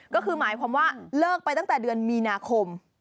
ก็คือหมายความว่าเลิกไปตั้งแต่เดือนมีนาคม